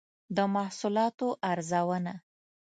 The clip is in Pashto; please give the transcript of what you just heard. د محصولاتو ارزونه